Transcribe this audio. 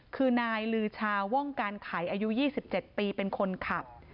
คือนายลือชาว่องการไขอายุ๒๗ปีเป็นคนขับ